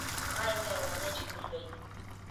Ага эмне болгонун эч ким билбейт.